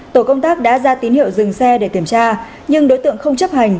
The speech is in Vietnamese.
tổ công tác đã ra tín hiệu dừng xe để kiểm tra nhưng đối tượng không chấp hành